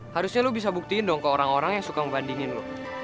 harusnya lo bisa buktiin dong ke orang orang yang suka membandingin lu